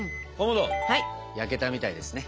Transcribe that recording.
焼けたみたいですね。